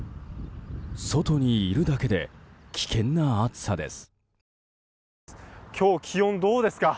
外にいるだけで危険な暑さです。